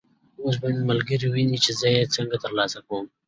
اوس به مې ملګري وویني چې زه یې څنګه تر لاسه کوم.